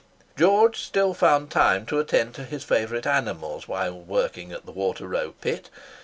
George still found time to attend to his favourite animals while working at the Water row Pit.